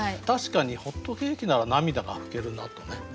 確かにホットケーキなら涙が拭けるなとね。